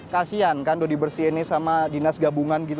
kasian kan udah dibersihin nih sama dinas gabungan gitu